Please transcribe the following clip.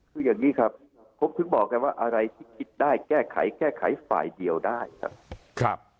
คืออย่างนี้ครับผมถึงบอกกันว่าอะไรที่คิดได้แก้ไขแก้ไขฝ่ายเดียวได้ครับ